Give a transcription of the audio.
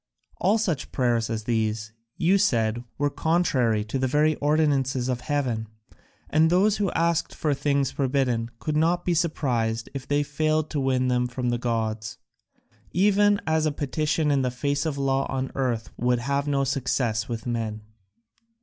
All such prayers as these, you said, were contrary to the very ordinances of heaven, and those who asked for things forbidden could not be surprised if they failed to win them from the gods. Even as a petition in the face of law on earth would have no success with men."